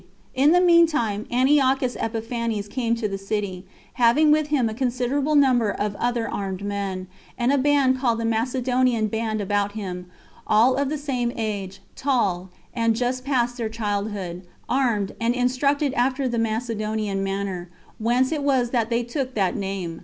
In the mean time Antiochus Epiphanes came to the city, having with him a considerable number of other armed men, and a band called the Macedonian band about him, all of the same age, tall, and just past their childhood, armed, and instructed after the Macedonian manner, whence it was that they took that name.